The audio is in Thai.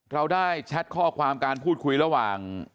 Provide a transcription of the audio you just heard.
เราได้แชทข้อความการพูดคุยระหว่าง